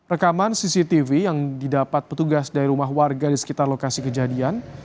rekaman cctv yang didapat petugas dari rumah warga di sekitar lokasi kejadian